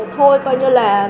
thôi coi như là